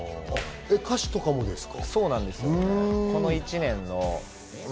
歌詞とかもですか？